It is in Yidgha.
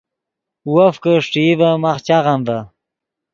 وف کہ اݰٹئی ڤے ماخ چاغم ڤے